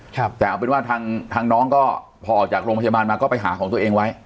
แต่เอาเป็นว่าทางทางน้องก็พอออกจากโรงพยาบาลมาก็ไปหาของตัวเองไว้